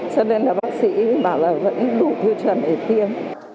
cho nên là bác sĩ bảo là vẫn đủ tiêu chuẩn để tiêm